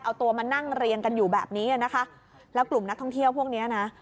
เอาตัวมานั่งเรียงกันอยู่แบบนี้อ่ะนะคะแล้วกลุ่มนักท่องเที่ยวพวกเนี้ยนะ